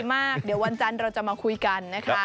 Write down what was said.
มากเดี๋ยววันจันทร์เราจะมาคุยกันนะคะ